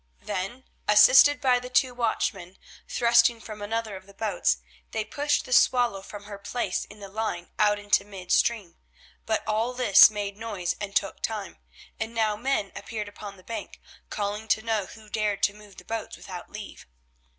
Then, assisted by the two watchmen thrusting from another of the boats, they pushed the Swallow from her place in the line out into mid stream. But all this made noise and took time, and now men appeared upon the bank, calling to know who dared to move the boats without leave.